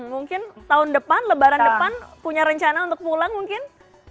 mungkin tahun depan lebaran depan punya rencana untuk pulang mungkin